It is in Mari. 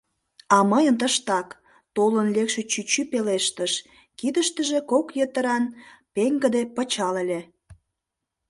— А мыйын тыштак, — толын лекше чӱчӱ пелештыш, кидыштыже кок йытыран пеҥгыде пычал ыле.